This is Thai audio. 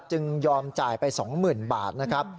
ยอมจ่ายไป๒๐๐๐บาทนะครับ